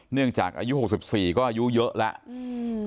เนื่องจากอายุหกสิบสี่ก็อายุเยอะแล้วอืม